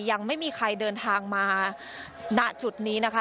ยังไม่มีใครเดินทางมาณจุดนี้นะคะ